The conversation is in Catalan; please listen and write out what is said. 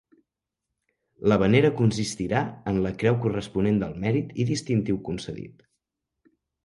La venera consistirà en la creu corresponent del mèrit i distintiu concedit.